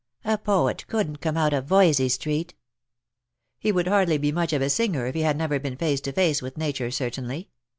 A poet couldn't come out of Voysey street." " He would hardly be much of a singer if he had never been face to face with nature certainly.